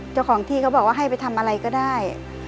เจ้าของที่เขาบอกว่าให้ไปทำอะไรก็ได้